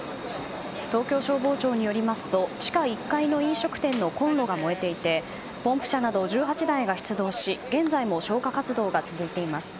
東京消防庁によりますと地下１階の飲食店のコンロが燃えていてポンプ車など１８台が出動し現在も消火活動が続いています。